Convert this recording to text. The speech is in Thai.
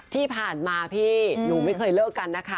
ที่ผ่านมาพี่หนูไม่เคยเลิกกันนะคะ